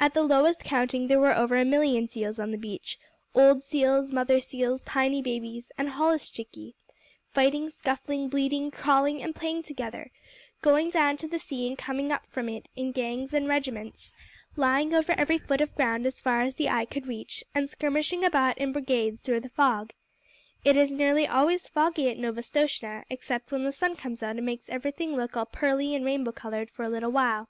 At the lowest counting there were over a million seals on the beach old seals, mother seals, tiny babies, and holluschickie, fighting, scuffling, bleating, crawling, and playing together going down to the sea and coming up from it in gangs and regiments, lying over every foot of ground as far as the eye could reach, and skirmishing about in brigades through the fog. It is nearly always foggy at Novastoshnah, except when the sun comes out and makes everything look all pearly and rainbow colored for a little while.